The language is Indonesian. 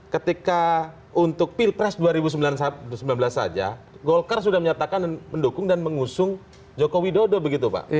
ketika untuk pilpres dua ribu sembilan belas saja golkar sudah menyatakan mendukung dan mengusung joko widodo begitu pak